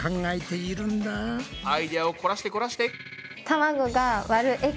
アイデアを凝らして凝らして！